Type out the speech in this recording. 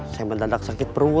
saya mendadak sakit perut